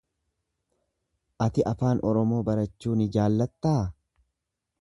Ati Afaan Oromoo barachuu ni jaallattaa?